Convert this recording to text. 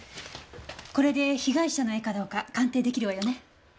これで被害者の絵かどうか鑑定出来るわよね？